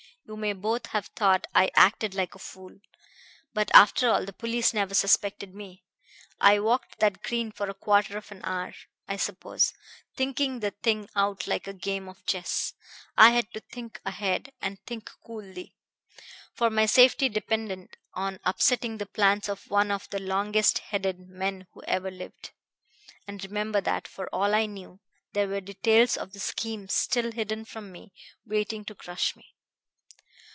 You may both have thought I acted like a fool. But after all the police never suspected me. I walked that green for a quarter of an hour, I suppose, thinking the thing out like a game of chess. I had to think ahead and think coolly; for my safety depended on upsetting the plans of one of the longest headed men who ever lived. And remember that, for all I knew, there were details of the scheme still hidden from me, waiting to crush me.